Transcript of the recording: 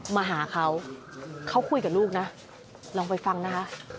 มาหาเขาเขาคุยกับลูกนะลองไปฟังนะคะ